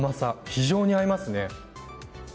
非常に合いますね。